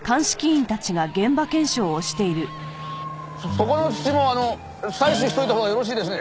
そこの土もあの採取しておいたほうがよろしいですね。